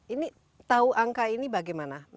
ini tahu angka ini bagaimana